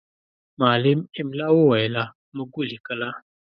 معلم املا وویله، موږ ولیکله.